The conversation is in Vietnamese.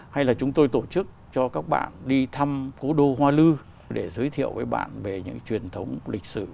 hay là chúng tôi tổ chức cho các bạn đi thăm cố đô hoa lư để giới thiệu với bạn về những truyền thống lịch sử